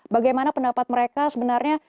bagaimana pendapat mereka sebenarnya